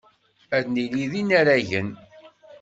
Ad nili d inaragen.